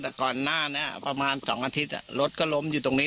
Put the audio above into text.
แต่ก่อนหน้านี้ประมาณ๒อาทิตย์รถก็ล้มอยู่ตรงนี้